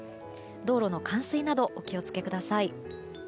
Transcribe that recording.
道路の冠水などお気をつけください。